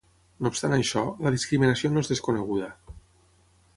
No obstant això, la discriminació no és desconeguda.